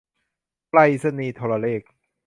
ไปรษณีย์โทรเลข